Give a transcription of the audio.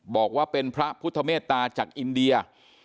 บอกว่าเป็นพระพุทธเมตตาจากอินเดีย